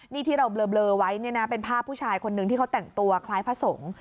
นี่ที่เราเบลอไว้เนี่ยนะเป็นภาพผู้ชายคนนึงที่เขาแต่งตัวคล้ายพระสงฆ์